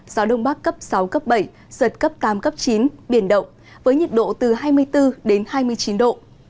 gió đông bắc cấp sáu bảy giật cấp tám chín biển động với nhiệt độ từ hai mươi bốn hai mươi chín độ